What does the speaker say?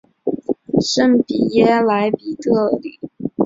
圣皮耶尔莱比特里。